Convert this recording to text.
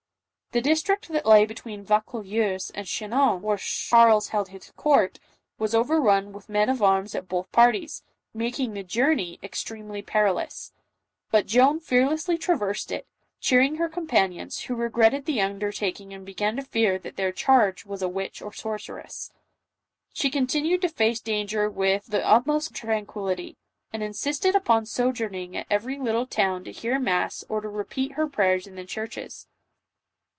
The district that lay between Vaucouleurs and Chinon, where Charles held his court, was overrun with men at arms of both parties, making the journey extremely perilous ; but Joan fearlessly traversed it, cheering her companions, who regretted the under taking and began to fear that their charge was a witch or sorceress. She continued to face danger with the utmost tranquillity, and insisted upon sojourning at every little town to hear mass or to repeat her prayers in the churches.